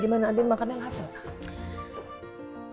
gimana andien makannya enggak apa